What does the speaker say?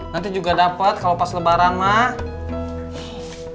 nanti juga dapat kalau pas lebaran mah